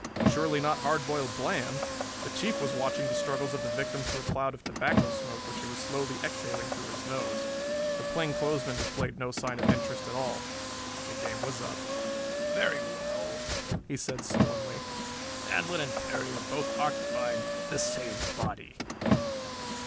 Surely not Hard Boiled Bland. The Chief was watching the struggles of the victim through a cloud of tobacco smoke which he was slowly exhaling through his nose. The plainclothesman displayed no sign of interest at all. The game was up! "Very well," he said sullenly. "Handlon and Perry are both occupying the same body."